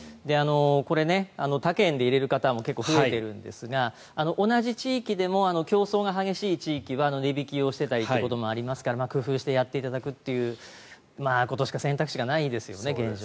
これ、他県で入れる方も増えているんですが同じ地域でも競争が激しい地域は値引きしていたりということもありますから工夫してやっていただくということしか選択肢がないですよね。